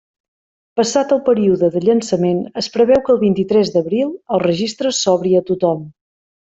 Passat el període de llançament, es preveu que el vint-i-tres d'abril, el registre s'obri a tothom.